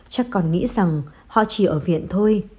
chắc con nghĩ rằng họ chỉ ở viện thôi